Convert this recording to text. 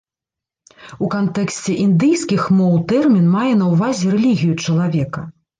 У кантэксце індыйскіх моў тэрмін мае на ўвазе рэлігію чалавека.